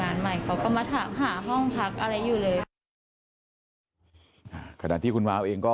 งั้นมีผู้หญิงมีแฟนใหม่น่ะ